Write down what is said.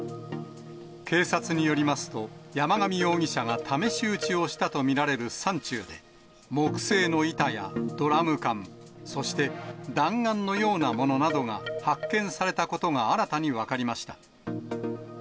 警察によりますと、山上容疑者が試し撃ちをしたと見られる山中で、木製の板やドラム缶、そして弾丸のようなものなどが発見されたことが新たに分かりました。